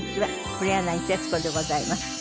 黒柳徹子でございます。